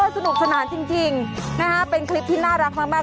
สนุกสนานจริงนะฮะเป็นคลิปที่น่ารักมาก